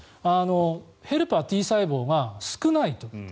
ヘルパーＴ細胞が少ないと。